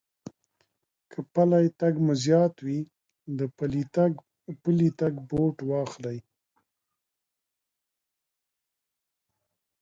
که پٔلی تگ مو زيات وي، د پلي تگ بوټ واخلئ.